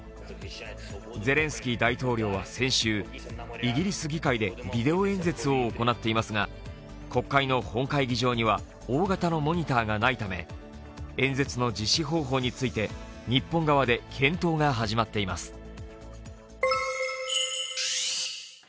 ゼレンスキー大統領は先週、イギリス議会でビデオ演説を行っていますが国会の本会議場には大型のモニターがないため演説の実施方法について、日本側で検討が始まっています。